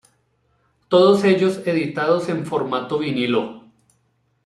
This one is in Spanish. Todos ellos editados en formato vinilo.